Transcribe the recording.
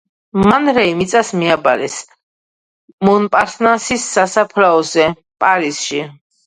მან რეი მიწას მიაბარეს მონპარნასის სასაფლაოზე, პარიზში.